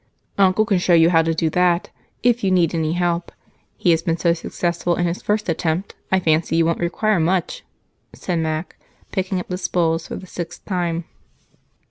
"Uncle can show you how to do that if you need any help. He has been so successful in his first attempt, I fancy you won't require much," said Mac, picking up the spools for the sixth time.